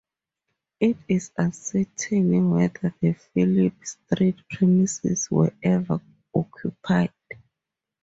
It is uncertain whether the Phillip Street premises were ever occupied.